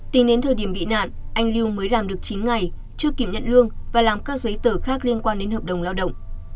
tính đến thời điểm bị nạn anh lưu mới làm được chín ngày chưa kiểm nhận lương và làm các giấy tờ khác liên quan đến hợp đồng lao động